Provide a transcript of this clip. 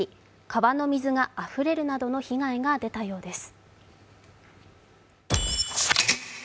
川の水があふれるなどの被害が出たようです。